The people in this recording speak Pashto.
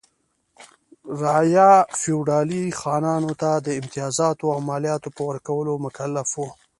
رعایا فیوډالي خانانو ته د امتیازاتو او مالیاتو په ورکولو مکلف و.